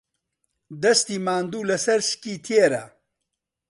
دەستی ماندوو لەسەر سکی تێرە